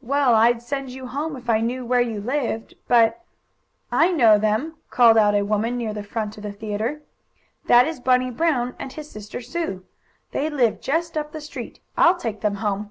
"Well, I'd send you home if I knew where you lived, but " "I know them!" called out a woman near the front of the theatre. "That is Bunny Brown and his sister Sue. They live just up the street. I'll take them home."